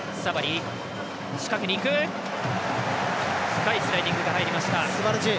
深いスライディングが入りました。